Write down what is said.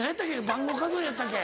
番号数えやったっけ？